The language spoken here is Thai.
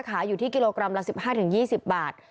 ขายอยู่ที่กิโลกรัมละ๑๕๒๐บาท